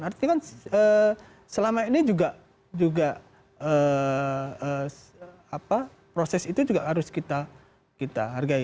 artinya kan selama ini juga proses itu juga harus kita hargai